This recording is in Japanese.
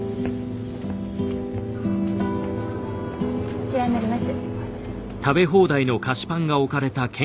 こちらになります。